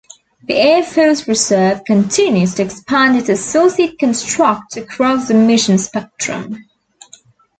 The Air Force Reserve continues to expand its associate construct across the mission spectrum.